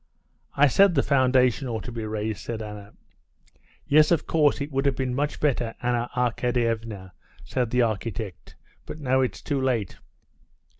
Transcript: "I said the foundation ought to be raised," said Anna. "Yes, of course it would have been much better, Anna Arkadyevna," said the architect, "but now it's too late."